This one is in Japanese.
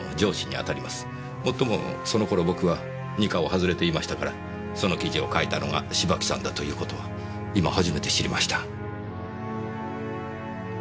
もっともその頃僕は二課を外れていましたからその記事を書いたのが芝木さんだという事は今初めて知りました。